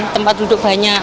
tempat duduk banyak